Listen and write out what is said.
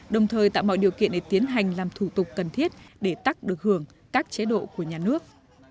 đồng thời tạo mọi điều kiện để tiến hành làm thủ tục cần thiết để tắc được hưởng các chế độ của nhà nước